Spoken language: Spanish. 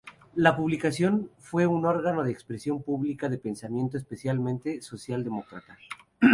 La publicación fue un órgano de expresión pública de pensamiento, especialmente socialdemócrata.